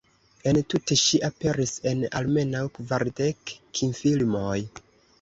En tute ŝi aperis en almenaŭ kvardek kinfilmoj.